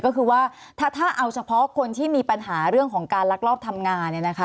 ก็คือว่าถ้าเอาเฉพาะคนที่มีปัญหาเรื่องของการลักลอบทำงาน